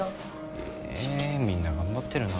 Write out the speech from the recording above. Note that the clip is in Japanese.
へえみんな頑張ってるな。